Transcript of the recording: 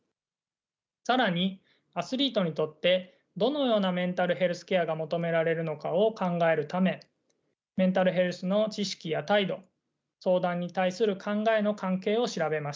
更にアスリートにとってどのようなメンタルヘルスケアが求められるのかを考えるためメンタルヘルスの知識や態度相談に対する考えの関係を調べました。